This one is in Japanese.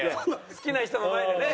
好きな人の前でね。